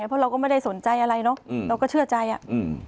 เพราะเราก็ไม่ได้สนใจอะไรเนอะอืมเราก็เชื่อใจอ่ะอืม